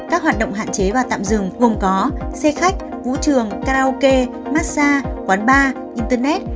các hoạt động hạn chế và tạm dừng gồm có xe khách vũ trường karaoke massage quán bar internet